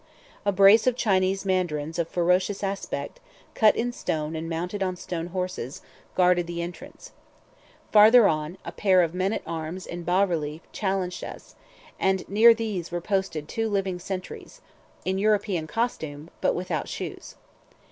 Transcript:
A brace of Chinese mandarins of ferocious aspect, cut in stone and mounted on stone horses, guarded the entrance. Farther on, a pair of men at arms in bass relief challenged us; and near these were posted two living sentries, in European costume, but without shoes.